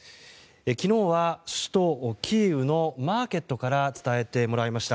昨日は首都キーウのマーケットから伝えてもらいました。